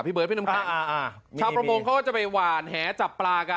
พี่เบิ้ลพี่น้ำแคร่อ่าอ่าชาวประโมงเขาก็จะไปหว่านแหจับปลากัน